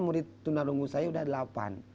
murid tuna rungu saya sudah delapan